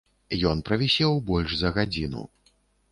Ён правісеў больш за гадзіну.